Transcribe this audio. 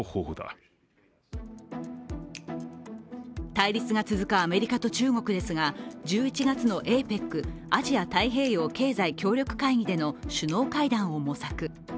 対立が続くアメリカと中国ですが、１１月のＡＰＥＣ＝アジア太平洋経済協力会議での首脳会談を模索。